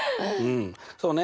そうね